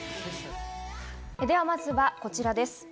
では、まずはこちらです。